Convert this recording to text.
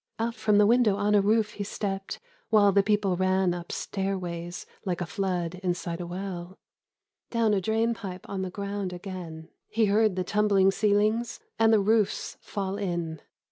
Out from the window on a roof he stepped While the people ran up stairways Like a flood inside a wrll ; Down a drain pipe on the ground again. He heard the tumbling ceilings And the roofs fall in.